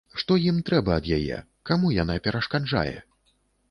Што ім трэба ад яе, каму яна перашкаджае?